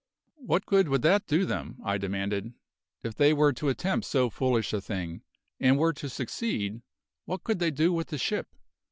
"What good would that do them?" I demanded. "If they were to attempt so foolish a thing, and were to succeed, what could they do with the ship?